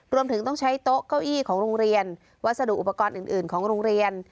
รวมถึงต้องใช้โต๊ะเก้าอี้ของโรงเรียนวัสดุอุปกรณ์อื่นของโรงเรียน